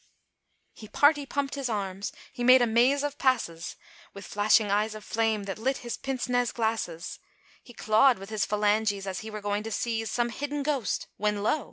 He party pumped his arms, he made a maze of passes, With flashing eyes of flame, that lit his pinc nez glasses. He clawed with his phalanges as he were going to seize Some hidden ghost, when lo!